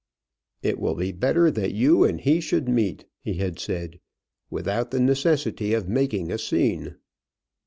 "It will be better that you and he should meet," he had said, "without the necessity of making a scene."